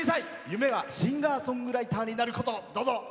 夢はシンガーソングライターになること。